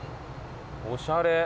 おしゃれ。